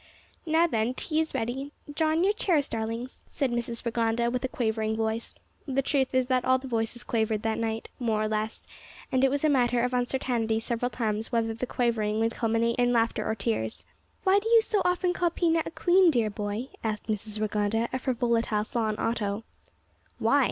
"Now, then, tea is ready; draw in your chairs, darlings," said Mrs Rigonda, with a quavering voice. The truth is that all the voices quavered that night, more or less, and it was a matter of uncertainty several times whether the quavering would culminate in laughter or in tears. "Why do you so often call Pina a queen, dear boy?" asked Mrs Rigonda of her volatile son, Otto. "Why?"